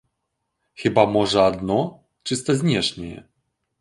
Хіба можа адно, чыста знешняе.